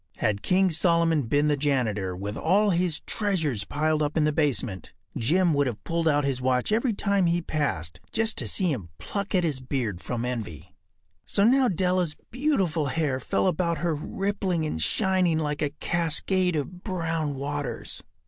Had King Solomon been the janitor, with all his treasures piled up in the basement, Jim would have pulled out his watch every time he passed, just to see him pluck at his beard from envy. So now Della’s beautiful hair fell about her rippling and shining like a cascade of brown waters.